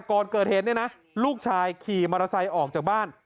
ก่อนเกิดเหตุเนี่ยนะลูกชายขี่มอเตอร์ไซค์ออกจากบ้าน